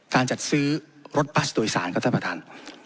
การจัดซื้อรถบัสโดยสารครับท่านประธาน